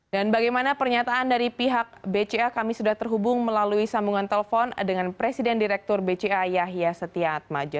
dan bagaimana pernyataan dari pihak bca kami sudah terhubung melalui sambungan telpon dengan presiden direktur bca yahya setia atmaja